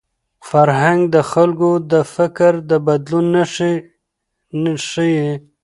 فرهنګ د خلکو د فکر د بدلون نښې ښيي.